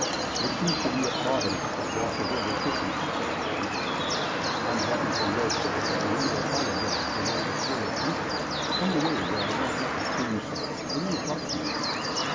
"There seems to be a Providence that watches over fishermen," said Boyd. "I am happy, for your sake, and I want to apologize for my display of temper. Come away where I won't have to scream so. I want to talk to you."